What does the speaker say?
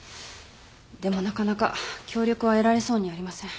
でもなかなか協力は得られそうにありません。